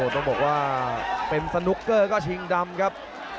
ต้องบอกว่าเป็นสนุกเกอร์ก็ชิงดำครับ